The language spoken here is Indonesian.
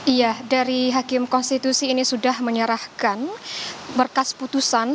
iya dari hakim konstitusi ini sudah menyerahkan berkas putusan